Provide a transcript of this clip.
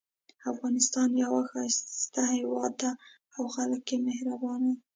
افغانستان یو ښایسته هیواد ده او خلک یې مهربانه دي